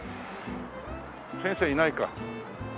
先生いないか。